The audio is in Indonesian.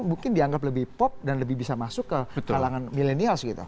mungkin dianggap lebih pop dan lebih bisa masuk ke kalangan milenials gitu